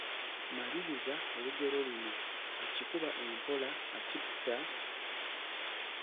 Maliriza olugero luno: Akikuba empola akitta, …….